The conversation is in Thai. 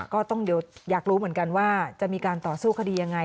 ก็ต้องเดี๋ยวอยากรู้เหมือนกันว่าจะมีการต่อสู้คดียังไง